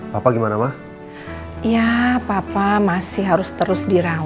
pergi dari rumah ini